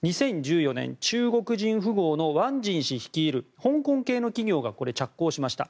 ２０１４年、中国人富豪のワン・ジン氏率いる香港系の企業が着工しました。